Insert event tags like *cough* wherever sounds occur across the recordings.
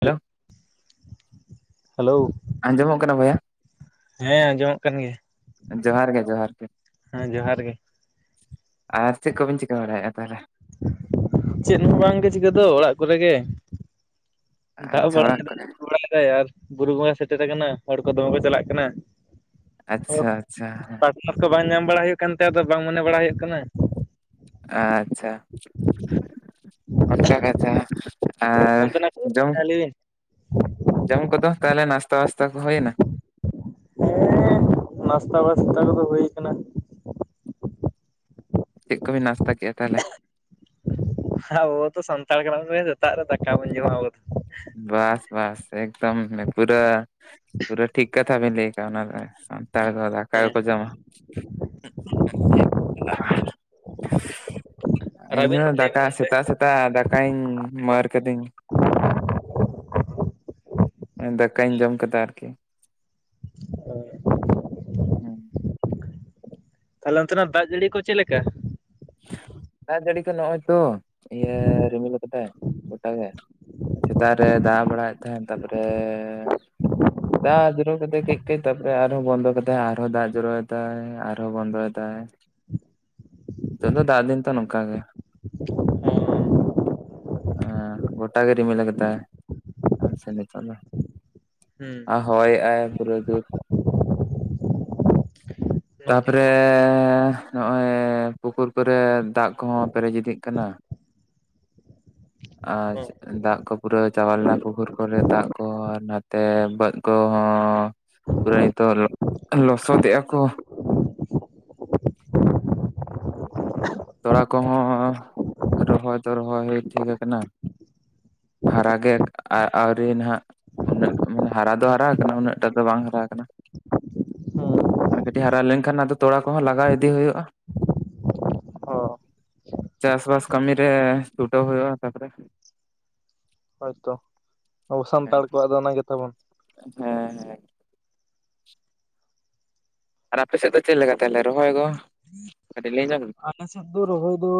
Hello ᱟᱸᱡᱚᱢᱚᱜ ᱠᱟᱱᱟ ᱵᱚᱭᱦᱟ? ᱦᱮᱸᱡᱚᱦᱟᱨ ᱠᱟᱱ ᱜᱮ ᱡᱚᱦᱟᱨ ᱜᱮ ᱡᱚᱦᱟᱨ ᱜᱮ ᱦᱮᱸ ᱡᱚᱦᱟᱨ ᱜᱮ ᱟᱨ ᱪᱤᱠ ᱵᱤᱱ ᱪᱤᱠ ᱵᱟᱲᱟᱭ ᱛᱟᱦᱮᱞᱮ ᱪᱮᱫ ᱦᱚᱸ ᱵᱟᱝᱜᱮ ᱪᱤᱠᱟᱹ ᱫᱚ ᱚᱲᱟᱜ ᱠᱚᱨᱮ ᱜᱮ ᱫᱟᱜ *unintelligible* ᱟᱪᱪᱷᱟ ᱚᱲᱟᱜ ᱵᱟᱲᱟᱭᱮᱫᱟᱭ ᱠᱚᱨᱮ ᱵᱟᱲᱟᱭᱮᱫᱟᱭ ᱟᱨ ᱵᱩᱨᱩ ᱵᱚᱸᱜᱟ ᱥᱮᱴᱮᱨ ᱟᱠᱟᱱᱟ ᱦᱚᱲ ᱠᱚ ᱫᱚᱢᱮ ᱠᱚ ᱪᱟᱞᱟᱜ ᱠᱟᱱᱟ ᱟᱪᱪᱷᱟ ᱟᱪᱪᱷᱟᱸ ᱚᱱᱟ ᱠᱚ ᱵᱟᱝ ᱧᱟᱢ ᱵᱟᱲᱟ ᱦᱩᱭᱩᱜ ᱠᱟᱱ ᱛᱟᱭᱟ ᱟᱫᱚ ᱵᱟᱝ ᱢᱚᱱᱮ ᱵᱟᱲᱟ ᱦᱩᱭᱩᱜ ᱠᱟᱱᱟ ᱟᱪᱪᱷᱟ ᱚᱱᱠᱟ *unintelligible* ᱟᱨ ᱚᱱᱛᱮᱱᱟᱜ ᱡᱚᱢ ᱞᱟᱹᱭ ᱵᱤᱱ ᱦᱮᱸ ᱡᱚᱢ ᱠᱚᱫᱚᱚᱢ ᱛᱟᱦᱚᱞᱮ ᱱᱟᱥᱛᱟ ᱵᱟᱥᱛᱟ ᱠᱚ ᱦᱩᱭᱱᱟ ᱦᱮᱸ ᱱᱟᱥᱛᱟ ᱵᱥᱛᱟ ᱠᱚᱫᱚ ᱦᱩᱭ ᱠᱟᱱᱟ ᱪᱮᱫ ᱠᱚᱵᱤᱱ ᱱᱟᱥᱛᱟ ᱠᱮᱫᱼᱟ ᱛᱟᱦᱚᱞᱮ ᱟᱵᱩ ᱥᱮ ᱥᱟᱱᱛᱟᱲ ᱠᱟᱱᱟ ᱵᱩᱱ ᱥᱮ ᱥᱮᱛᱟᱜ ᱨᱮ ᱫᱟᱠᱟ ᱵᱩᱱ ᱡᱚᱢᱟ ᱟᱵᱩ ᱫᱚ ᱵᱟᱥ ᱵᱟᱥ ᱮᱫᱚᱢ ᱯᱩᱨᱟᱹ ᱯᱩᱨᱟᱹ ᱴᱷᱤᱠ ᱠᱟᱛᱷᱟ ᱵᱮᱱ ᱞᱟᱹᱭ ᱠᱟᱜᱼᱟ ᱚᱱᱟ ᱫᱚ ᱥᱟᱱᱛᱟᱲ ᱠᱚ ᱫᱟᱠᱟ ᱦᱮᱸ ᱜᱮᱠᱚ ᱡᱚᱢᱟ ᱟᱨ *inaudible* ᱤᱧᱦ ᱟᱹᱵᱤᱱ ᱦᱚᱸ ᱞᱟᱹᱭ ᱵᱤᱱ ᱫᱟᱠᱟ ᱚᱱᱛᱮ ᱥᱮᱛᱟᱜ ᱥᱮᱛᱟᱜ ᱫᱟᱠᱟᱧ ᱢᱟᱨᱟᱹᱨ ᱠᱤᱫᱟᱹᱧ ᱢ ᱫᱟᱠᱟᱧ ᱡᱚᱢ ᱠᱮᱫᱫᱟ ᱟᱨᱠᱤ ᱦᱩᱸ ᱛᱟᱦᱞᱮ ᱚᱱᱛᱮ ᱱᱟᱜ ᱫᱟᱜ ᱡᱟᱹᱲᱤ ᱠᱚ ᱪᱮᱫ ᱞᱮᱠᱟ? ᱫᱟᱜ ᱡᱟᱹᱲᱤ ᱠᱚ ᱱᱚᱜᱼᱚᱭ ᱛᱚ ᱤᱭᱟᱹ ᱨᱤᱢᱤᱞ ᱠᱟᱫᱟᱭ ᱜᱚᱴᱟᱜᱮ ᱥᱮᱛᱟᱜ ᱨᱮ ᱫᱟᱜ ᱵᱟᱲᱟᱭᱮᱫ ᱛᱟᱦᱮᱱ ᱛᱟᱨᱯᱚᱨᱮ ᱫᱟᱜ ᱡᱚᱨ ᱠᱟᱛᱮ *unintelligible* ᱛᱟᱨᱯᱚᱨ ᱟᱨᱦᱚᱸ ᱵᱚᱱᱫᱚ ᱠᱟᱛᱮᱛᱟᱭ ᱟᱨᱦᱚᱸ ᱫᱟᱜ ᱡᱚᱨ ᱫᱟᱭ ᱟᱨᱦᱚᱸ ᱵᱚᱱᱫᱚ ᱫᱟᱭ ᱱᱤᱛᱚᱜ ᱫᱚ ᱫᱟᱜ ᱫᱤᱱ ᱛᱚ ᱱᱚᱝᱠᱟ ᱜᱮ ᱚ ᱜᱚᱴᱟ ᱜᱟᱹᱰᱤ ᱢᱤᱞᱟ ᱠᱟᱛᱮᱜ ᱟᱪᱪᱷᱟ ᱱᱤᱛᱚᱜ ᱫᱚ ᱦᱩᱸ ᱟ ᱦᱚᱭᱮᱜ-ᱟᱭ ᱯᱩᱨᱟᱹ ᱡᱚᱨ ᱱᱚᱛᱮ ᱛᱟᱯᱚᱨᱮ ᱦᱚᱸ ᱱᱚᱜᱼᱚᱭ ᱯᱩᱠᱩᱨ ᱠᱚᱨᱮ ᱫᱟᱜ ᱠᱚᱦᱚᱸ ᱯᱮᱨᱮᱡ ᱤᱫᱤᱜ ᱠᱟᱱᱟ ᱟᱪᱷᱟ ᱦᱮᱸ ᱫᱟᱜ ᱠᱚ ᱯᱩᱨᱟᱹ ᱪᱟᱵᱟ ᱞᱮᱱᱟ ᱯᱩᱠᱷᱩᱨ ᱠᱚᱨᱮ ᱫᱟᱜ ᱠᱚ ᱱᱟᱛᱮ ᱵᱟᱹᱫᱽ ᱠᱚᱦᱚᱸ ᱯᱩᱨᱟᱹᱟᱱᱤᱛᱚ ᱞᱚᱥᱚᱜ ᱟᱠ ᱠᱚ ᱛᱚᱲᱟ ᱠᱚᱦᱚᱸ ᱨᱚᱦᱚᱭ ᱫᱚ ᱨᱚᱦᱚᱭ ᱴᱷᱤᱠ ᱟᱠᱟᱱᱟ ᱦᱟᱨᱟ ᱜᱮ ᱟᱹᱣᱨᱤ ᱱᱟᱦᱟᱜ ᱩᱱᱟᱹᱜ ᱢᱟᱱᱮ ᱦᱟᱨᱟ ᱫᱚ ᱦᱟᱨᱟ ᱟᱠᱟᱱᱟ ᱩᱱᱟᱹᱜ ᱴᱟᱜ ᱫᱚ ᱵᱟᱝ ᱦᱟᱨᱟ ᱟᱠᱟᱱᱟ ᱟᱨ ᱠᱟᱹᱴᱤᱡ ᱦᱟᱨᱟ ᱞᱮᱱᱠᱷᱟᱱ ᱟᱫᱚ ᱛᱚᱲᱟ ᱠᱚᱦᱚᱸ ᱞᱟᱜᱟᱣ ᱤᱫᱤ ᱦᱩᱭᱩᱜᱼᱟ ᱚ ᱪᱟᱥᱵᱟᱥ ᱠᱟᱹᱢᱤ ᱨᱮ ᱪᱩᱴᱟᱹᱣ ᱦᱩᱭᱩᱜᱼᱟ ᱛᱟᱯᱚᱨᱮ ᱦᱳᱭᱛᱚ ᱟᱵᱚ ᱥᱟᱱᱛᱟᱲ ᱠᱚᱣᱟᱜ ᱫᱚ ᱚᱱᱟ ᱜᱮ ᱛᱟᱵᱚᱱ ᱦᱮᱸ ᱦᱮᱸ ᱟᱨ ᱟᱯᱮ ᱥᱮᱫ ᱫᱚ ᱪᱮᱫ ᱞᱮᱠᱟ ᱛᱟᱞᱮ ᱨᱚᱦᱚᱭ ᱜᱚ ᱠᱟᱹᱴᱤᱡ ᱞᱮᱟᱹᱭ ᱧᱚᱜᱢᱮ ᱟᱞᱮ ᱥᱮᱫ ᱫᱚ ᱨᱚᱦᱚᱭ ᱫᱚ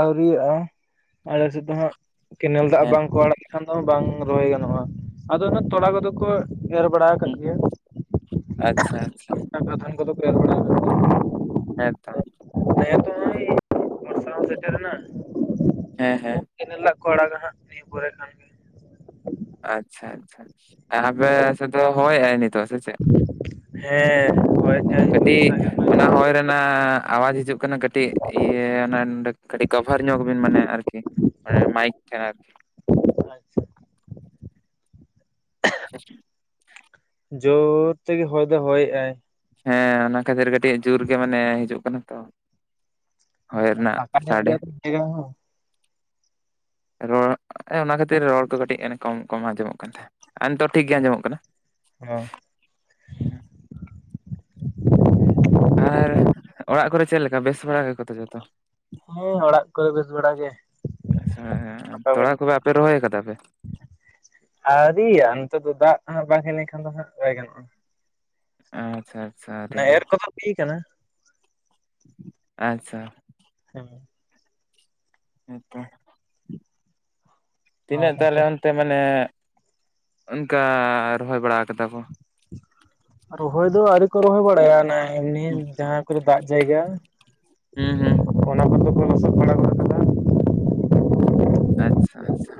ᱟᱹᱣᱨᱤᱭᱟᱜᱼᱟ ᱟᱞᱮ ᱥᱮᱫ ᱫᱚ ᱦᱟᱸᱜ ᱠᱮᱱᱮᱞ ᱫᱟᱜ ᱦᱮᱸ ᱵᱟᱝᱠᱚ ᱟᱲᱟᱜ ᱞᱮᱠᱷᱟᱱ ᱫᱚ ᱵᱟᱝ ᱨᱚᱦᱚᱭ ᱜᱟᱱᱚᱜᱼᱟ ᱟᱫᱚ ᱚᱱᱟ ᱛᱚᱲᱟ ᱠᱚᱫᱚ ᱠᱚ ᱮᱨ ᱵᱟᱲᱟ ᱟᱠᱟᱫ ᱦᱩᱸ ᱜᱮᱭᱟ ᱟᱪᱪᱷᱟ ᱟᱪᱪᱷᱟ ᱛᱷᱟᱱ ᱠᱚᱫᱚ ᱠᱚ ᱮᱨ ᱵᱟᱲᱟ ᱟᱠᱟᱫ ᱜᱮᱭᱟ ᱦᱮ ᱛᱚ ᱦᱮ ᱛᱚ ᱱᱚᱜᱚᱭ ᱵᱚᱨᱥᱟ ᱦᱚᱸ ᱥᱮᱴᱮᱨᱮ ᱮᱱᱟ ᱦᱮᱸ ᱦᱮᱸ ᱠᱮᱱᱮᱞᱟᱜ ᱠᱚ ᱟᱲᱟᱜᱟ ᱦᱟᱸᱜ ᱱᱤᱭᱟᱹ ᱯᱚᱨᱮ ᱠᱷᱟᱱ ᱜᱮ ᱟᱪᱪᱷᱟ ᱟᱪᱪᱷᱟ ᱟᱯᱮ ᱦᱚᱭ ᱱᱤᱛᱚᱜ ᱥᱮ ᱪᱮᱫ ᱦᱮᱸ ᱦᱳᱭ ᱠᱟᱹᱴᱤᱡ ᱚᱱᱟ ᱦᱚᱭ ᱨᱮᱱᱟᱜ ᱟᱣᱟᱡ ᱦᱤᱡᱩᱜ ᱠᱟᱱᱟ ᱠᱟᱹᱴᱤᱡ ᱤᱭᱟᱹ ᱚᱱᱟ ᱱᱚᱰᱮ ᱠᱟᱹᱴᱤᱡ ᱠᱟᱵᱷᱟᱨ ᱧᱚᱜᱵᱤᱱ ᱢᱟᱱᱮ ᱟᱨᱠᱤ ᱢᱟᱭᱤᱠ ᱛᱟᱦᱮ ᱟᱨᱠᱤ ᱟᱪᱷᱟ *inaudible* ᱡᱳᱨ ᱛᱮᱜᱮ ᱦᱚᱭ ᱫᱚ ᱦᱚᱭᱮᱜᱟᱭ ᱦᱮᱸ ᱚᱱᱟ ᱠᱷᱟᱹᱛᱤᱨ ᱠᱟᱹᱴᱤᱡ ᱡᱳᱨ ᱜᱮ ᱢᱟᱱᱮ ᱦᱤᱡᱩᱜ ᱠᱟᱱᱟ ᱛᱚ ᱦᱚᱭ ᱨᱮᱱᱟᱜ ᱯᱷᱟᱸᱠᱟ ᱧᱚᱜ ᱜᱮᱭᱟ ᱥᱟᱰᱮ ᱛᱚ ᱡᱟᱭᱜᱟ ᱦᱚᱸ ᱨᱚᱲ ᱚᱱᱟ ᱠᱷᱟᱹᱛᱤᱨ ᱨᱚᱲ ᱠᱚ ᱠᱟᱹᱴᱤᱡᱮᱱ ᱠᱚᱢ ᱠᱚᱢ ᱟᱸᱡᱚᱢᱚᱜ ᱠᱟᱱ ᱛᱟᱦᱮᱸᱫ ᱟᱨ ᱱᱤᱛᱚᱜ ᱴᱷᱤᱠ ᱜᱮᱭᱟ ᱟᱸᱡᱚᱢᱚᱜ ᱠᱟᱱᱟ ᱦᱮᱸ ᱟᱨ ᱚᱲᱟᱜ ᱠᱚᱨᱮ ᱪᱮᱫ ᱞᱮᱠᱟ ᱵᱮᱥ ᱵᱟᱲᱟ ᱜᱮᱠᱚ ᱛᱚ ᱡᱚᱛᱚ ᱦᱮᱸ ᱚᱲᱟᱜ ᱠᱚᱨᱮ ᱵᱮᱥ ᱵᱟᱲᱟ ᱜᱮ ᱛᱚᱲᱟ ᱠᱚᱵᱮ ᱟᱯᱮ ᱨᱚᱦᱚᱭ ᱠᱟᱫᱟ ᱯᱮ ᱟᱹᱣᱨᱤᱭᱟᱜ-ᱟ ᱱᱤᱛᱳᱜ ᱫᱚ ᱫᱟᱜ ᱠᱚ ᱱᱟᱦᱟᱜ ᱵᱟᱝ ᱦᱮ ᱠᱷᱟᱱ ᱫᱚ ᱦᱜᱟ ᱵᱟᱭ ᱜᱟᱱᱚᱜᱼᱟ ᱟᱪᱪᱷᱟ ᱟᱪᱪᱷᱟ *inaudible* ᱢᱟᱱᱮ *unintelligible* ᱠᱟᱱᱟ ᱟᱪᱪᱷᱟ ᱦᱮᱸ ᱦᱮᱛᱚ᱾ ᱟᱨ ᱛᱤᱱᱟᱹᱜ ᱛᱟᱦᱚᱞᱮ ᱚᱱᱛᱮ ᱛᱮ ᱢᱟᱱᱮ ᱚᱱᱠᱟ ᱨᱚᱦᱚᱭ ᱵᱟᱲᱟ ᱠᱟᱫᱟ ᱠᱚ ᱨᱚᱦᱚᱭ ᱫᱚ ᱟᱹᱣᱨᱤ ᱠᱚ ᱨᱚᱦᱚᱭ ᱵᱟᱲᱟᱭᱟ, ᱮᱢᱱᱤ ᱦᱩᱸ ᱡᱟᱦᱟᱸ ᱠᱚᱨᱮ ᱫᱟᱜ ᱡᱟᱭᱜᱟ᱾ ᱦᱩᱸ ᱦᱩᱸ ᱚᱱᱟ ᱠᱚᱫᱚ ᱠ ᱞᱚᱥᱚᱫᱵᱟᱲᱟ ᱜᱚᱫᱟ ᱠᱟ ᱟᱪᱷᱟ ᱟᱪᱷᱟ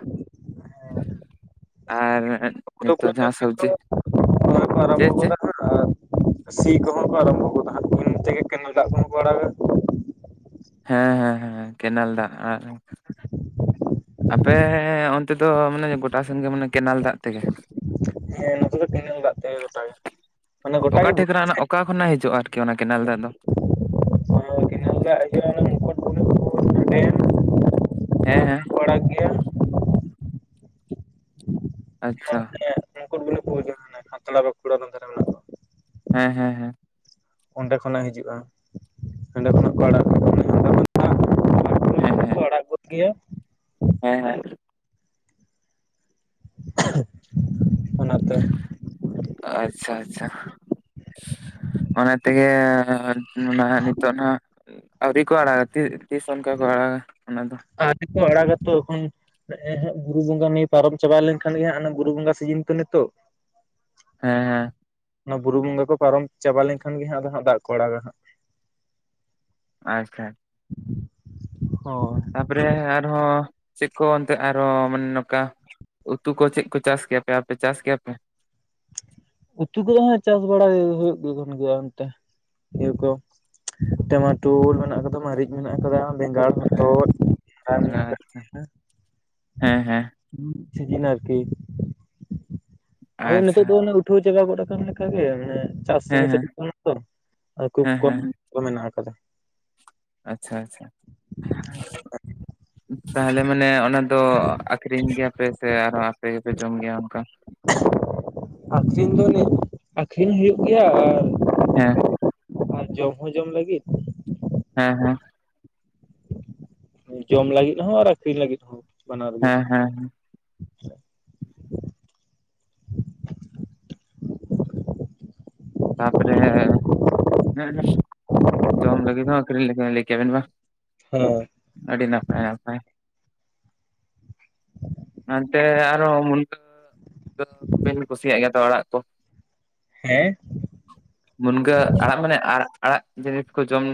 ᱟᱨ ᱯᱩᱨᱟᱹ ᱱᱤᱛᱚᱜ ᱯᱩᱨᱤ ᱡᱟᱦᱟᱸ ᱥᱚᱵᱽᱡᱤ ᱫᱚ ᱨᱚᱦᱚᱭ ᱠᱚ ᱟᱨᱟᱢᱵᱚ ᱪᱮᱫ ᱪᱮ ᱜᱚᱫᱟ ᱟᱨ ᱥᱤ ᱠᱚᱦᱚᱸ ᱠᱚ ᱟᱨᱟᱢᱵᱷᱚᱜᱫᱟᱜ ᱩᱱ ᱛᱮᱜᱮ ᱠᱮᱱᱮᱞ ᱫᱟᱜ ᱠᱚᱦᱚᱸ ᱠᱚ ᱟᱲᱟᱜᱟ᱾ ᱦᱮᱸ ᱦᱮᱸ ᱦᱮᱸ ᱠᱮᱱᱮᱞ ᱫᱟᱜ ᱟᱨ ᱟᱯᱮ ᱚᱱᱛᱮ ᱫᱚ ᱢᱟᱱᱮ ᱜᱚᱴᱟ ᱥᱮᱱ ᱜᱮ ᱢᱟᱱᱮ ᱠᱮᱱᱮᱞ ᱫᱟᱜ ᱛᱮᱜᱮ? ᱦᱮᱸ ᱱᱚᱛᱮ ᱫᱚ ᱠᱮᱱᱟᱜ ᱫᱟᱜ ᱛᱮ ᱜᱚᱴᱟᱜ ᱜᱮ ᱢᱟᱱᱮ ᱜᱚᱴᱟ ᱚᱠᱟ ᱜᱮ ᱴᱷᱮᱡ ᱠᱷᱚᱱᱟᱜ ᱚᱠᱟ ᱠᱷᱚᱱᱟᱜ ᱦᱤᱡᱩᱜᱼᱟ ᱟᱨᱠᱤ ᱚᱱᱟ ᱠᱮᱱᱮᱞ ᱫᱟᱜ ᱫᱚ? ᱚᱱᱟ ᱠᱮᱱᱟᱞ ᱫᱟᱜ ᱦᱤᱡᱩᱜ ᱟ ᱱᱟᱦᱟᱜ ᱚᱸᱰᱮ ᱦᱮᱸ ᱠᱷᱚᱱᱟᱜ ᱦᱮᱸ ᱠᱚ ᱟᱲᱟᱜ ᱜᱮᱭᱟ᱾ ᱟᱪᱷᱟ ᱦᱟᱛᱲᱟ ᱵᱟᱠᱩᱲᱟ ᱱᱚ ᱨᱮ ᱢᱮᱱᱟᱜᱼᱟ᱾ ᱦᱮᱸ ᱦᱮᱸ ᱦᱮᱸ ᱚᱸᱰᱮ ᱠᱷᱚᱱᱟᱜ ᱦᱤᱡᱩᱜᱼᱟ ᱚᱸᱰᱮ ᱠᱷᱚᱱᱟᱜ ᱠᱚ ᱟᱲᱟᱜ ᱦᱮᱸ ᱦᱮᱸ ᱯᱩᱠᱷᱤᱭᱟ ᱦᱮᱸ ᱦᱮᱸ *unintelligible* ᱚᱱᱟᱛᱮ ᱟᱪᱷᱟ ᱟᱪᱷᱟ ᱚᱱᱟ ᱛᱮᱜᱮ ᱚᱱᱟ ᱱᱤᱛᱚᱜ ᱱᱟᱦᱟᱜ ᱟᱹᱣᱨᱤ ᱠᱚ ᱟᱲᱟᱜᱟ ᱛᱤᱥ ᱚᱱᱠᱟ ᱠᱚ ᱟᱲᱟᱜᱟ ᱚᱱᱟ ᱫᱚ ᱟᱣᱨᱤ ᱠᱚ ᱟᱲᱟᱜ ᱛᱚ ᱮᱠᱷᱚᱱ ᱦᱚᱸ ᱦᱚᱸ ᱵᱩᱨᱩ ᱵᱚᱸᱜᱟ ᱱᱤᱭᱟᱹ ᱯᱟᱨᱚᱢ ᱪᱟᱵᱟᱣ ᱞᱮᱱᱠᱷᱟᱱ ᱜᱮ ᱱᱟᱦᱟᱜ ᱚᱱᱟ ᱵᱩᱨᱩ ᱵᱚᱸᱜᱟ ᱥᱤᱡᱤᱱ ᱛᱚ ᱱᱤᱛᱚᱜ ᱦᱮᱸ ᱦᱮᱸ ᱚᱱᱟ ᱵᱩᱨᱩ ᱵᱚᱸᱜᱟ ᱠᱚ ᱯᱟᱨᱚᱢ ᱪᱟᱵᱟ ᱞᱮᱱᱠᱷᱟᱱ ᱜᱮ ᱦᱟᱸᱜ ᱟᱫᱚ ᱦᱟᱜ ᱫᱟᱜ ᱠᱚ ᱟᱲᱟᱜᱟ ᱦᱟᱸᱜ ᱟᱪᱪᱷᱟ ᱦᱚᱭ ᱛᱟᱯᱚᱨᱮ ᱟᱨᱦᱚᱸ ᱪᱮᱫ ᱠᱚ ᱮᱚᱱᱛᱮ ᱟᱨᱦᱚᱸ ᱢᱟᱱᱮ ᱱᱚᱝᱠᱟ ᱩᱛᱩ ᱠᱚ ᱪᱮᱫ ᱠᱚ ᱪᱟᱥ ᱠᱮᱭᱟᱯᱮ ᱟᱯᱮ ᱪᱟᱥ ᱠᱮᱭᱟᱯᱮ? ᱩᱛᱩ ᱠᱚᱫᱚ ᱦᱟᱜ ᱪᱟᱥ ᱵᱟᱲᱟ ᱦᱩᱭᱩᱜ ᱜᱮ ᱠᱟᱱ ᱜᱮᱭᱟ ᱮᱱᱛᱮ ᱤᱭᱟᱹ ᱠᱚ ᱴᱟᱢᱟᱴᱩᱞ ᱢᱮᱱᱟᱜ ᱟᱠᱟᱫᱟ ᱢᱟᱨᱤᱪ ᱢᱮᱱᱟᱜ ᱟᱠᱟᱫᱟ᱾ ᱵᱮᱸᱜᱟᱲ ᱦᱮᱸ ᱦᱚᱛᱚᱫ ᱢᱮᱱᱟᱜ ᱟᱠᱟᱫ ᱟᱪᱪᱷᱟ ᱜᱮᱭᱟ᱾ ᱦᱮᱸ ᱦᱮᱸ ᱥᱤᱡᱤᱱ ᱟᱨᱠᱤ, ᱟᱫᱚ ᱟᱪᱪᱷᱟ ᱱᱤᱛᱚᱜ ᱫᱚ ᱯᱟᱹᱴᱷᱩᱣᱟᱹ ᱡᱟᱭᱜᱟ ᱜᱚᱫ ᱟᱠᱟᱱ ᱞᱮᱠᱟᱜ ᱜᱮ ᱢᱟᱱᱮ ᱪᱟᱥ ᱦᱮᱸ ᱦᱮᱸ ᱠᱚ ᱠᱷᱩᱵ ᱦᱮᱸ ᱠᱚᱢ ᱦᱮᱸ ᱠᱚ ᱢᱮᱱᱟᱜ ᱟᱠᱟᱫᱟ᱾ ᱟᱪᱷᱟ ᱟᱪᱷᱟ ᱟ ᱛᱟᱦᱚᱞᱮ ᱢᱟᱱᱮ ᱚᱱᱟ ᱫᱚ ᱟᱠᱷᱨᱤᱧ ᱜᱮᱭᱟᱯᱮ ᱥᱮ ᱟᱨᱚ ᱟᱯᱮ ᱜᱮᱯᱮ ᱡᱚᱢ ᱜᱮᱭᱟ ᱚᱱᱠᱟ? *unintelligible* ᱟᱠᱷᱨᱤᱧ ᱫᱚ ᱱᱤᱛ ᱟᱠᱷᱨᱤᱧ ᱦᱩᱭᱩᱜ ᱜᱮᱭᱟ, ᱟᱨ ᱦᱮᱸ ᱟᱨ ᱡᱚᱢ ᱦᱚᱸ ᱡᱚᱢ ᱞᱟᱹᱜᱤᱫ ᱦᱮᱸ ᱦᱮᱸ ᱡᱚᱢ ᱞᱟᱹᱜᱤᱫ ᱦᱚᱸ ᱟᱨ ᱟᱠᱷᱨᱤᱧ ᱞᱟᱹᱜᱤᱫ ᱦᱚᱸ᱾ ᱵᱟᱱᱟᱨ ᱜᱮ ᱦᱮᱸ ᱦᱮᱸ ᱛᱟᱯᱚᱨᱮ ᱡᱚᱢ ᱞᱟᱹᱜᱤᱫ ᱦᱚᱸ ᱟᱹᱠᱷᱨᱤᱧ ᱞᱟᱹᱭ ᱠᱮᱜ ᱟᱵᱮᱱ ᱵᱟᱝ, ᱦᱮᱸ ᱟᱹᱰᱤ ᱱᱟᱯᱟᱭ *inaudible* ᱚᱱᱛᱮ ᱟᱨ ᱦᱚᱸ ᱢᱩᱱᱜᱟᱹ ᱫᱚ ᱵᱤᱱ ᱠᱩᱥᱤᱭᱟᱜ ᱜᱮᱭᱟ ᱛᱚ ᱟᱲᱟᱜ? ᱠᱚ ᱦᱮᱸ ᱢᱩᱱᱜᱟᱹ ᱟᱲᱟᱜ ᱢᱟᱱᱮ ᱟᱲ ᱟᱲᱟᱜ ᱡᱤᱱᱤᱥ ᱠᱚ ᱡᱚᱢ,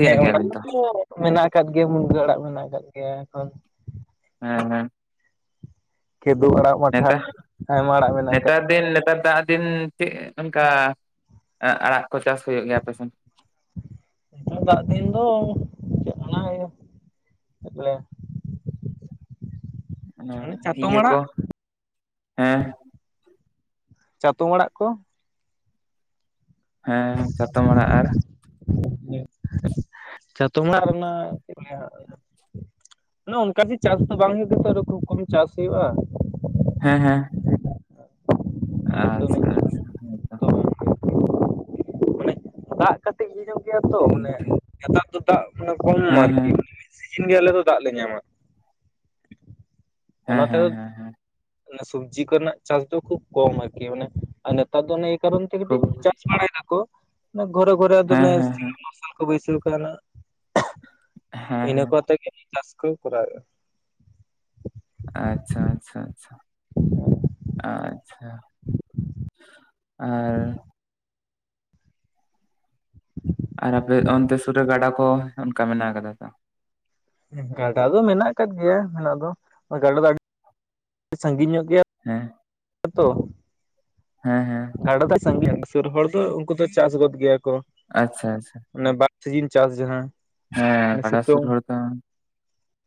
ᱦᱮᱸ ᱚᱱᱟ ᱜᱮᱭᱟᱵᱤᱱ ᱛᱚ ᱢᱟᱛᱚ ᱢᱮᱱᱟᱜ ᱟᱠᱟᱫ ᱜᱮᱭᱟ ᱢᱩᱱᱜᱟᱹ ᱟᱲᱟᱜ ᱢᱮᱱᱟᱜ ᱟᱠᱟᱫ ᱜᱮᱭᱟ ᱮᱠᱷᱚᱱ, ᱦᱮᱸ ᱦᱮᱸ, ᱠᱮᱫᱳᱵ ᱟᱲᱟᱜ ᱢᱟᱴᱷᱟ ᱱᱮᱛᱟ ᱟᱭᱢᱟ ᱟᱲᱟᱜ ᱢᱮᱱᱟᱜ ᱟᱠᱟᱫ ᱱᱮᱛᱟᱨ ᱫᱤᱱ ᱱᱮᱛᱟᱨ ᱫᱟᱜ ᱫᱤᱱ ᱪᱮᱫ ᱚᱱᱠᱟ ᱮ ᱟᱲᱟᱜ ᱠᱚ ᱪᱟᱥ ᱦᱩᱭᱩᱜ ᱜᱮᱭᱟ ᱟᱯᱮ ᱥᱮᱫ, ᱱᱮᱛᱟᱨ ᱫᱟᱜ ᱫᱤᱱ ᱫᱚ ᱪᱮᱫ ᱚᱱᱟ ᱜᱮ ᱞᱮ, *unintelligible* ᱚᱱᱮ ᱤᱭᱟᱹ ᱠᱚ ᱦᱮᱸ, ᱪᱟᱛᱚᱢ ᱟᱲᱟᱜ ᱠᱚ, ᱦᱮᱸ ᱪᱟᱛᱚᱢ ᱟᱲᱟᱜ ᱟᱨ, ᱪᱟᱛᱚᱢ ᱟᱲᱟᱜ ᱨᱮᱱᱟᱜ ᱪᱮᱫ ᱠᱚ ᱞᱟᱹᱭᱟ ᱚᱱᱠᱟᱟᱜᱮ ᱪᱟᱥ ᱫᱚ ᱵᱟᱝ ᱦᱩᱭᱩᱜ ᱛᱟᱦᱮ ᱠᱷᱩᱵ ᱠᱚᱢ ᱜᱮ ᱪᱟᱥ ᱦᱩᱭᱩᱜᱼᱟ, ᱦᱮᱸ ᱦᱮᱸ ᱚᱱᱟᱛᱮ ᱩᱱᱟᱹᱜ ᱟᱪᱪᱷᱟ ᱟᱪᱪᱷᱟ ᱦᱚᱭ ᱛᱚ ᱫᱚ ᱵᱟᱝ ᱢᱟᱱᱮ ᱫᱟᱜ ᱠᱟᱹᱛᱤᱡ ᱧᱚᱜ ᱜᱮᱭᱟ ᱛᱚ ᱴᱷᱤᱠ ᱢᱟᱱᱮ ᱴᱷᱤᱠ ᱱᱮᱛᱟᱨ ᱫᱚ ᱫᱟᱜ ᱢᱟᱱᱮ ᱠᱚᱢᱚᱜ-ᱟ ᱦᱮᱸ ᱟᱨᱠᱤ, ᱦᱮᱸ ᱥᱤᱡᱤᱱ ᱜᱮ ᱟᱞᱮ ᱫᱚ ᱫᱟᱜ ᱞᱮ ᱧᱟᱢᱟ, ᱚᱱᱟ ᱦᱮᱸ ᱛᱮᱫᱚ ᱦᱮᱸ ᱦᱮᱸ ᱦᱮᱸ ᱥᱚᱵᱡᱤ ᱠᱚᱨᱮᱱᱟᱜ ᱪᱟᱥ ᱫᱚ ᱠᱷᱩᱵ ᱠᱚᱢ ᱟᱨᱠᱤ ᱢᱟᱱᱮ ᱟᱨ ᱱᱮᱛᱟᱨ ᱫᱚ ᱮᱭ ᱠᱟᱨᱚᱱ ᱛᱮ ᱠᱟᱹᱴᱤᱡ ᱠᱷᱩᱵ ᱪᱟᱥ ᱵᱟᱲᱟᱭ ᱫᱟᱠᱚ ᱚᱱᱮ ᱜᱷᱚᱨᱮ ᱜᱷᱚᱨᱮ ᱟᱫᱚ ᱦᱮᱸ ᱚᱱᱮ ᱦᱮᱸ ᱦᱮᱸ ᱥᱮᱞᱳ ᱢᱟᱨᱥᱟᱞ ᱠᱷᱩᱵ ᱵᱟᱹᱭᱥᱟᱹᱣ ᱠᱟᱣᱱᱟ, ᱦᱮᱸ ᱤᱱᱟᱹ ᱦᱮᱸ ᱠᱚᱛᱮ ᱜᱮ ᱪᱟᱥ ᱠᱚ ᱠᱚᱨᱟᱣ ᱮᱜᱼᱟ, ᱟᱪᱪᱷᱟ ᱟᱪᱪᱷᱟ ᱟᱪᱪᱷᱟ ᱟᱪᱪᱷᱟ, ᱟᱨ ᱟᱨ ᱟᱯᱮ ᱚᱱᱛᱮ ᱥᱩᱨ ᱨᱮ ᱜᱟᱰᱟ ᱠᱚ ᱚᱱᱠᱟ ᱢᱮᱱᱟᱜ ᱟ ᱠᱟᱫᱟ ᱛᱚ, ᱜᱟᱰᱟ ᱫᱚ ᱢᱮᱱᱟᱜ ᱟᱠᱟᱫ ᱜᱮᱭᱟ ᱦᱮᱸ ᱟᱫᱚ ᱜᱟᱰᱟ ᱫᱚ ᱟᱹᱰᱤ ᱥᱟᱺᱜᱤᱧ ᱧᱚᱜ ᱜᱮᱭᱟ, ᱦᱮᱸ ᱟᱛᱚ ᱦᱮᱸ ᱦᱮᱸ ᱜᱟᱰᱟ ᱫᱚ ᱥᱟᱸᱜᱤᱧ ᱨᱮᱱ ᱥᱩᱨ ᱦᱚᱲ ᱫᱚ ᱩᱱᱠᱩ ᱫᱚ ᱪᱟᱥ ᱜᱚᱫ ᱜᱮᱭᱟ ᱠᱚ, ᱟᱪᱪᱷᱟ ᱟᱪᱪᱷᱟ, ᱚᱱᱮ ᱵᱟᱨ ᱥᱤᱡᱤᱱ ᱪᱟᱥ ᱡᱟᱦᱟᱸ, ᱦᱮᱸᱜᱟᱰᱟ ᱥᱩᱨ ᱥᱤᱛᱩᱝ ᱦᱚᱲ ᱫᱚ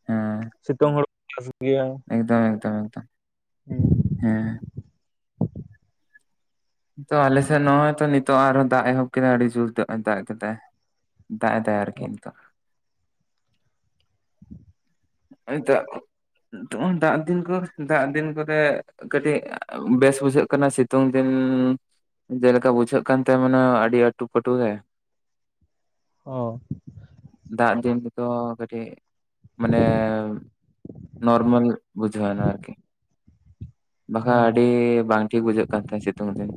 ᱦᱮᱸ, ᱥᱤᱛᱩᱝ ᱦᱳᱲᱳ ᱪᱟᱥ ᱜᱮᱭᱟ, ᱮᱠᱫᱚᱢ ᱮᱠᱫᱚᱢ ᱮᱠᱫᱚᱢ ᱦᱮᱸ, ᱛᱚ ᱟᱞᱮᱥᱮᱫ ᱱᱚᱜᱼᱚᱭ ᱛᱚ ᱱᱤᱛᱚᱜ ᱟᱨᱚ ᱦᱚᱸ ᱫᱟᱜ ᱮᱦᱚᱵ ᱠᱮᱫᱟ ᱟᱹᱰᱤ ᱡᱳᱨ ᱛᱮ ᱚᱜ-ᱚᱭ ᱮ ᱫᱟᱜ ᱠᱮᱫᱟᱭ, ᱫᱟᱜ ᱮ ᱫᱟᱭ ᱟᱨᱠᱤ ᱱᱤᱛᱚᱜ, ᱦᱚᱭ ᱫᱟᱜ ᱛᱚᱠᱷᱚᱱ ᱫᱟᱜ ᱫᱤᱱ ᱠᱚ ᱫᱟᱜ ᱫᱤᱱ ᱠᱚᱨᱮ, ᱠᱟᱹᱴᱤᱡ ᱵᱮᱥ ᱵᱩᱡᱷᱟᱹᱜ ᱠᱟᱱᱟ ᱥᱤᱛᱩᱝ ᱫᱤᱱ, ᱡᱮᱞᱮᱠᱟ ᱵᱩᱡᱷᱟᱹᱜ ᱠᱟᱱ ᱛᱟᱦᱮ ᱢᱟᱱᱮ ᱟᱹᱰᱤ ᱟᱹᱴᱩ ᱯᱟᱹᱴᱩ ᱜᱮ, ᱚ ᱫᱟᱜ ᱫᱤᱱ ᱦᱚᱛᱚ ᱠᱟᱹᱴᱤᱡ, ᱢᱟᱱᱮ ᱱᱚᱨᱢᱮᱞ ᱵᱩᱡᱷᱟᱹᱣ ᱱᱟ ᱟᱨᱠᱤ, ᱵᱟᱠᱷᱟᱡᱽ ᱦᱮᱸ ᱟᱹᱰᱤ ᱵᱟᱝ ᱴᱷᱤᱠ ᱵᱩᱡᱷᱟᱹᱜ ᱠᱟᱱ ᱛᱟᱦᱮᱸ ᱥᱤᱛᱩᱝ ᱫᱤᱱ,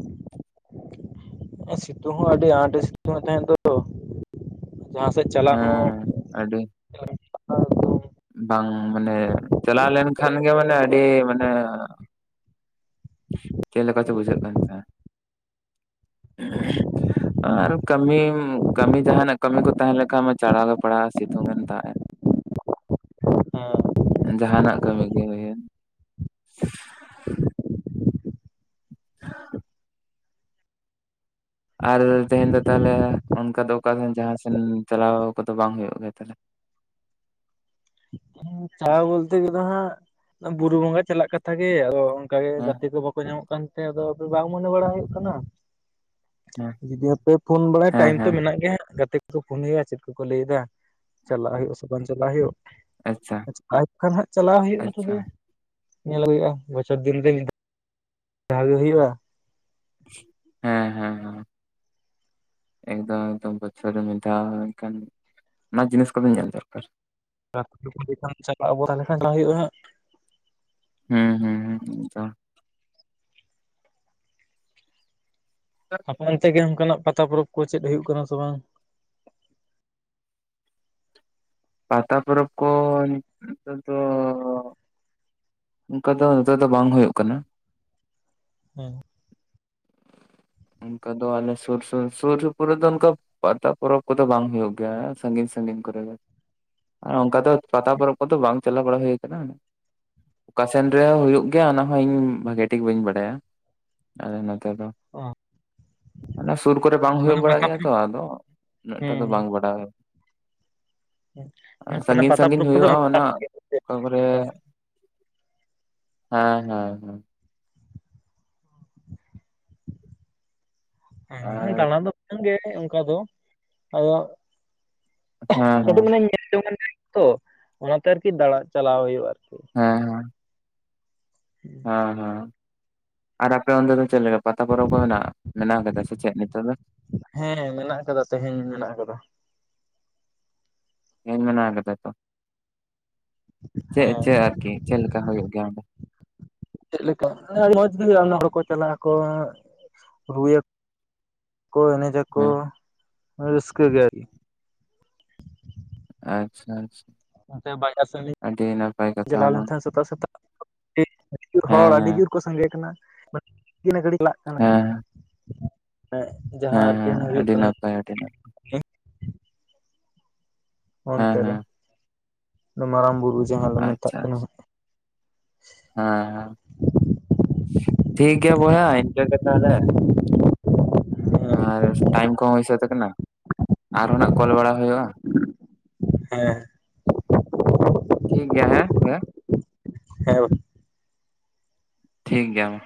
ᱥᱤᱛᱩᱝ ᱦᱚᱸ ᱟᱹᱰᱤ ᱟᱸᱴ ᱮ ᱥᱤᱛᱩᱝ ᱮᱫ ᱛᱟᱦᱮᱸᱫ ᱫᱚ, ᱡᱟᱦᱟᱸ ᱥᱮᱫ ᱪᱟᱞᱟᱜ ᱦᱚᱸ ᱦᱮᱸ ᱟᱹᱰᱤ ᱦᱮᱸ ᱵᱟᱝ ᱢᱟᱱᱮ ᱪᱟᱞᱟᱣ ᱞᱮᱱᱠᱷᱟᱱ ᱜᱮ ᱢᱟᱱᱮ ᱟᱹᱰᱤ ᱢᱟᱱᱮ ᱪᱮᱫᱮ ᱞᱮᱠᱟᱛᱮ ᱵᱩᱡᱷᱟᱹᱜ ᱠᱟᱱ ᱛᱟᱦᱮᱸᱱᱟ *unintelligible* ᱟᱨ ᱠᱟᱹᱢᱤ ᱠᱟᱹᱢᱤ ᱡᱟᱦᱟᱱᱟᱜ ᱠᱟᱹᱢᱤ ᱠᱚ ᱛᱟᱦᱮᱸ ᱞᱮᱱᱠᱷᱟᱱᱡ ᱢᱟ ᱪᱟᱲᱟᱣ ᱜᱮ ᱯᱟᱲᱟᱜᱼᱟ ᱥᱤᱛᱩᱝ ᱮᱱ ᱫᱟᱜ ᱮ *unintelligible* ᱡᱟᱦᱱᱟᱜ ᱠᱟᱹᱢᱤ ᱜᱮ ᱦᱩᱭᱮᱱ *unintelligible* ᱟᱨ ᱛᱮᱦᱮᱧ ᱫᱚ ᱛᱟᱦᱚᱞᱮ ᱚᱱᱠᱟ ᱫᱚ ᱚᱠᱟ ᱥᱮ ᱡᱟᱦᱟᱸ ᱥᱮᱱ ᱪᱟᱞᱟᱣ ᱠᱚᱫᱚ ᱵᱟᱝ ᱦᱩᱭᱩᱜ ᱜᱮᱭᱟ ᱛᱟᱦᱚᱞᱮ᱾ ᱪᱟᱞᱟᱣ ᱵᱚᱞᱛᱮ ᱜᱮᱫᱚ ᱦᱟᱸᱜ ᱵᱩᱨᱩ ᱵᱚᱸᱜᱟ ᱪᱟᱞᱟᱜ ᱠᱟᱛᱷᱟ ᱜᱮ ᱟᱫᱚ ᱚᱱᱟᱜᱮ ᱦᱮᱸ ᱜᱟᱛᱮ ᱠᱚ ᱵᱟᱠᱚ ᱧᱟᱢᱚᱜ ᱠᱟᱱ ᱛᱟᱦᱮᱸ ᱟᱫᱚ ᱵᱟᱝ ᱢᱚᱱᱮ ᱵᱟᱲᱟ ᱦᱩᱭᱩᱜ ᱠᱟᱱᱟ᱾ ᱦᱮᱸ ᱡᱩᱫᱤ ᱦᱟᱯᱮ ᱯᱷᱳᱱ ᱵᱟᱲᱟᱭᱟ ᱦᱮᱸ ᱴᱟᱭᱤᱢ ᱛᱚ ᱦᱮᱸ ᱢᱮᱱᱟᱜ ᱜᱮᱭᱟ ᱦᱜ ᱜᱟᱛᱮ ᱠᱚ ᱯᱷᱳᱱ ᱦᱩᱭᱩᱜᱼᱟ ᱪᱮᱫ ᱠᱚᱠᱚ ᱞᱟᱹᱭᱮᱫᱟ᱾ ᱪᱟᱞᱟᱜ ᱦᱩᱭᱩᱜ ᱥᱵ ᱪᱟᱞᱟᱜ ᱦᱩᱭᱩᱜ ᱟᱪᱪᱷᱟ ᱠᱷᱟᱱ ᱦᱜ ᱪᱟᱞᱟᱣ ᱦᱩᱭᱩᱜᱼᱟ ᱟᱪᱪᱷᱟ ᱛᱚᱵᱮ ᱧᱮᱞ ᱦᱩᱭᱩᱜᱼᱟ ᱵᱚᱪᱷᱚᱨ ᱫᱤᱱ ᱨᱮ ᱡᱟᱦᱟᱸᱜᱮ ᱦᱩᱭᱩᱜᱼᱟ ᱦᱮᱸ ᱦᱮᱸ ᱦᱮᱸ ᱮᱠᱫᱚᱢ ᱮᱠᱫᱚᱢ ᱵᱚᱪᱷᱚᱨ ᱨᱮ ᱢᱤᱫ ᱫᱷᱟᱣ ᱮᱱᱠᱷᱟᱱ, ᱚᱱᱟ ᱡᱤᱱᱤᱥ ᱠᱚᱵᱮᱱ ᱧᱮᱞ ᱫᱚᱨᱠᱟᱨ? *unintelligible* ᱪᱟᱞᱟᱜ ᱟᱵᱚ ᱛᱟᱦᱚᱞ ᱠᱷᱟᱱ ᱪᱟᱞᱟᱜ ᱦᱩᱭᱩᱜᱼᱟ ᱱᱟᱦᱟᱜ ᱦᱩᱸ ᱦᱩᱸ ᱮᱜᱫᱚᱢ ᱦᱟᱯᱟᱢ ᱛᱮᱜᱮ ᱚᱱᱠᱟᱱᱟᱜ ᱯᱟᱛᱟ ᱯᱚᱨᱚᱵᱽ ᱠᱚ ᱪᱮᱫ ᱦᱩᱭᱩᱜ ᱠᱟᱱᱟ ᱥᱮ ᱵᱟᱝ? ᱯᱟᱛᱟ ᱯᱚᱨᱚᱵ ᱠᱚ ᱱᱤᱛᱚᱵ ᱫᱚ ᱚᱱᱠᱟ ᱫᱚ ᱱᱮᱛᱟᱨ ᱫᱚ ᱵᱟᱝ ᱦᱳᱭᱳᱜ ᱠᱟᱱᱟ᱾ ᱦᱮᱸ ᱚᱱᱠᱟ ᱫᱚ ᱚᱱᱮ ᱥᱩᱨ ᱥᱩᱨ ᱥᱩᱯᱩᱨ ᱨᱮᱫᱚ ᱚᱱᱠᱟ ᱯᱟᱛᱟ ᱯᱚᱨᱚᱵᱽ ᱠᱚᱫᱚ ᱵᱟᱝ ᱦᱩᱭᱩᱜ ᱜᱮᱭᱟ ᱥᱟᱺᱜᱤᱧ ᱥᱟᱺᱜᱤᱧ ᱠᱚᱨᱮ ᱫᱚ ᱟᱨ ᱚᱱᱠᱟ ᱫᱚ ᱯᱟᱛᱟ ᱯᱚᱨᱚᱵᱽ ᱠᱚᱫᱚ ᱵᱟᱝ ᱪᱟᱞᱟᱣ ᱵᱟᱲᱟ ᱦᱩᱭ ᱟᱠᱟᱱᱟ? ᱚᱠᱟ ᱥᱮᱱ ᱨᱮᱦᱚᱸᱳᱭᱳᱜ ᱜᱮᱭᱟ ᱚᱱᱟᱦ ᱤᱧ ᱵᱷᱟᱜᱤ ᱴᱷᱤᱠ ᱵᱟᱹᱧ ᱵᱟᱲᱟᱭᱟ᱾ ᱟᱞᱮ ᱱᱚᱛᱮ ᱫᱚ ᱚ ᱚᱱᱟ ᱥᱩᱨ ᱠᱚᱨᱮ ᱵᱟᱝ ᱢᱟᱱᱮ ᱦᱩᱭᱩᱜ ᱵᱟᱲᱟᱜ ᱯᱟᱛᱟ ᱜᱮᱭᱟ ᱯᱚᱨᱚᱵᱽ ᱛᱚ ᱟᱫᱚ ᱩᱱᱟᱹᱜᱴᱟ ᱫᱚ ᱦᱩᱸ ᱵᱟᱝ ᱵᱟᱲᱟᱭ ᱦᱩᱸ ᱦᱩᱸ ᱢᱟᱱᱮ ᱥᱟᱺᱜᱤᱧ ᱯᱟᱛᱟ ᱥᱟᱺᱜᱤᱧ ᱯᱚᱨᱚᱵᱽ ᱠᱚᱫᱚ ᱦᱩᱭᱩᱜᱼᱟ ᱚᱱᱟ ᱚᱯᱚᱨ ᱞᱮᱠᱟ ᱦᱮᱸ ᱦᱮᱸ ᱦᱮᱸ ᱦᱮ ᱟᱨ ᱫᱟᱬᱟᱱ ᱫᱚ ᱵᱟᱝᱜᱮ ᱚᱱᱠᱟ ᱫᱚ ᱟᱫᱚ ᱦᱮᱸ ᱦᱮᱸ ᱦᱮᱸ ᱠᱟᱹᱴᱤᱡ ᱢᱟᱱ ᱧᱮᱞ ᱡᱚᱝ ᱛᱚ ᱚᱱᱟᱛᱮ ᱟᱨᱠᱤ ᱫᱟᱬᱟ ᱪᱟᱞᱟᱣ ᱦᱩᱭᱩᱜᱼᱟ᱾ ᱟᱨᱠᱤ ᱦᱮᱸ ᱦᱮᱸ ᱦᱮᱸ ᱟᱨ ᱟᱯᱮ ᱚᱚᱱᱰᱮ ᱫᱚ ᱪᱮᱫ ᱞᱮᱠᱟ ᱯᱟᱛᱟ ᱯᱚᱨᱚᱵᱽ ᱠᱚ ᱢᱮᱱᱟᱜᱼᱟ ᱢᱮᱱᱟᱜ ᱟᱠᱟᱫᱟ ᱥᱮ ᱪᱮᱫ ᱱᱤᱛᱚᱜ ᱫᱚ? ᱦᱮᱸ ᱢᱮᱱᱟᱜ ᱟᱠᱟᱫᱟ ᱛᱮᱦᱮᱧ ᱢᱮᱱᱟᱜ ᱟᱠᱟᱫᱟ ᱤᱧ ᱢᱮ ᱠᱟᱫᱟ ᱛᱚ ᱪᱮᱫ ᱦᱮᱸ ᱪᱮᱫ ᱟᱨᱠᱤ ᱪᱮᱫ ᱞᱮᱠᱟ ᱦᱩᱭᱩᱜ ᱜᱮᱭᱟ ᱚᱸᱰᱮ ᱪᱮᱫᱞᱮᱠᱟ ᱢᱚᱸᱡᱽ ᱜᱮ ᱦᱩᱭᱩᱜᱼᱟ ᱦᱚᱲ ᱠᱚ ᱪᱟᱞᱟᱜ ᱟᱠᱚ ᱨᱩ ᱠᱚ ᱮᱱᱮᱡᱽ ᱟᱠᱚ ᱦᱮᱸ ᱢᱟᱱᱮ ᱨᱟᱹᱥᱠᱟᱹ ᱜᱮ ᱟᱪᱷᱟ ᱟᱪᱷᱟ ᱚᱱᱟᱛᱮ ᱵᱟᱡᱟᱨ ᱥᱤ ᱪᱟᱞᱟᱣ ᱚᱱᱟ ᱞᱮᱱ ᱛᱟᱦᱮᱸ ᱥᱮ ᱛᱟᱜ ᱦᱚᱲ ᱦᱮᱸ ᱟᱹᱰᱤ ᱡᱳᱨ ᱠᱚ ᱥᱟᱸᱜᱮ ᱠᱟᱱᱟ ᱜᱷᱟᱹᱲᱤᱡ ᱠᱟᱱᱟ *unintelligible* ᱠᱟᱱᱟ ᱞᱤᱧ ᱦᱮᱸ ᱦᱮᱸᱜ ᱡᱟᱦᱟᱸ ᱟᱨᱠᱤ ᱦᱩᱭᱩᱜ ᱠᱟᱱᱟ ᱠᱷᱟᱭᱴ ᱮᱱᱟ ᱦᱮᱸ ᱚᱱᱛᱮ ᱨᱮ ᱦᱮᱸ ᱢᱟᱨᱟᱝ ᱵᱩᱨᱩ ᱡᱟᱦᱟᱸ ᱞᱮ ᱢᱮᱛᱟᱜ ᱟᱪᱪᱷᱟ ᱠᱟᱱᱟ᱾ ᱟᱪᱪᱷᱟ ᱦᱟᱜ ᱦᱮᱸ ᱦᱮᱸ ᱴᱷᱤᱠ ᱜᱮᱭᱟ ᱵᱚᱭᱦᱟ ᱤᱱᱡ ᱜᱮ ᱛᱟᱦᱚᱞᱮ ᱟᱨ ᱴᱟᱭᱤᱢ ᱠᱚᱦᱚᱸ ᱦᱩᱭ ᱥᱟᱹᱛ ᱟᱠᱟᱱᱟ ᱟᱨᱦᱚᱸ ᱱᱟᱜ ᱠᱚᱞ ᱵᱟᱲᱟ ᱦᱩᱭᱩᱜᱼᱟ ᱦᱮᱸ᱾ ᱴᱷᱤᱠ ᱜᱮᱭᱟ ᱦᱮᱸ *unintelligible* ᱦᱮᱣ᱾ ᱴᱷᱤᱠ ᱜᱮᱭᱟ ᱢᱟ᱾